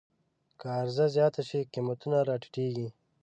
که عرضه زیاته شي، قیمتونه راټیټېږي.